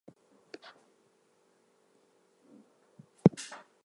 This is particularly true of North America, where "Albatross" was a minor hit.